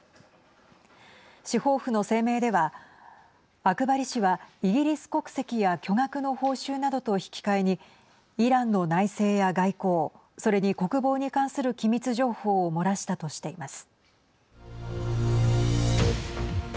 司法府の声明ではアクバリ氏はイギリス国籍や巨額の報酬などと引き換えにイランの内政や外交それに国防に関する機密情報を漏らしたとしています。